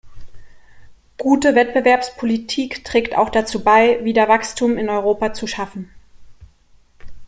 Gute Wettbewerbspolitik trägt auch dazu bei, wieder Wachstum in Europa zu schaffen.